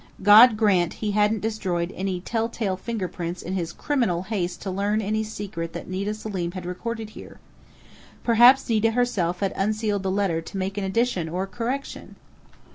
God grant he hadn't destroyed any tell tale fingerprints in his criminal haste to learn any secret that Nita Selim had recorded here!... Perhaps Nita herself had unsealed the letter to make an addition or a correction?